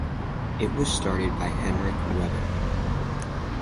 It was started by Henrik Weber.